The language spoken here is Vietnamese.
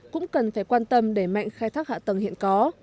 cũng cần phải quan tâm đẩy mạnh khai thác hạ tầng hiện có